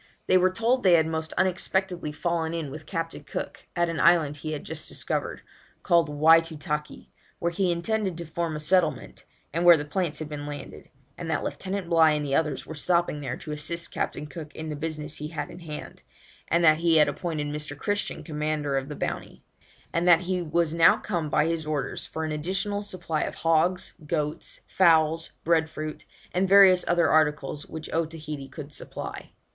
They were told they had most unexpectedly fallen in with Captain Cook at an island he had just discovered, called Whytootakee, where he intended to form a settlement, and where the plants had been landed; and that Lieutenant Bligh and the others were stopping there to assist Captain Cook in the business he had in hand, and that he had appointed Mr. Christian commander of the Bounty; and that he was now come by his orders for an additional supply of hogs, goats, fowls, bread fruit, and various other articles which Otaheite could supply.